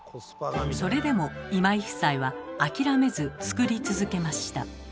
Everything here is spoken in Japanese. それでも今井夫妻は諦めず作り続けました。